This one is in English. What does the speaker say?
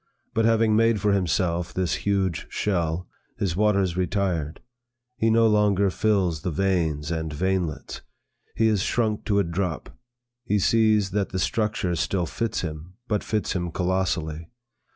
But, having made for himself this huge shell, his waters retired; he no longer fills the veins and veinlets; he is shrunk to a drop. He sees, that the structure still fits him, but fits him colossally.